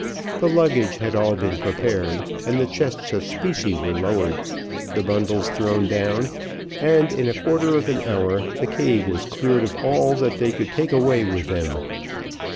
The luggage had all been prepared and the chests of specie were lowered, the bundles thrown down, and, in a quarter of an hour, the cave was cleared of all that they could take away with them.